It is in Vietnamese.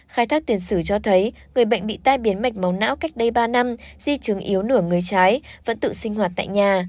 khai thác tiền sử cho thấy người bệnh bị tai biến mạch màu não cách đây ba năm di chứng yếu nửa người trái vẫn tự sinh hoạt tại nhà